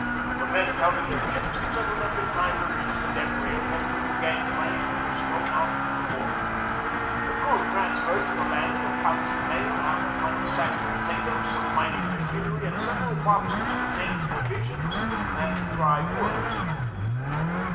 The men counted their chips and settled up in time to reach the deck rail just as the gangplank was thrown out to the wharf. The crew transferred to the landing a pouch of mail, half a ton of sacked potatoes, some mining machinery, and several boxes containing provisions and dry goods.